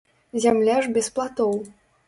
Зямля ж без платоў!